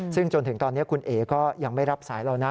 ซึ่งจนถึงตอนนี้คุณเอ๋ก็ยังไม่รับสายเรานะ